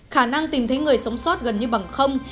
khả năng tìm thấy người sống sót gần như bằng không